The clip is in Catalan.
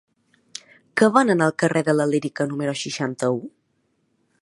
Què venen al carrer de la Lírica número seixanta-u?